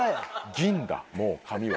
銀だもう髪は。